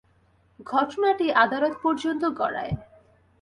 ঘটনাটি আদালত পর্যন্ত গড়ায়।